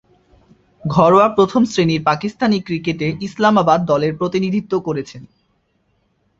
ঘরোয়া প্রথম-শ্রেণীর পাকিস্তানি ক্রিকেটে ইসলামাবাদ দলের প্রতিনিধিত্ব করছেন।